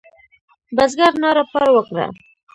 بزګر ناره پر وکړه.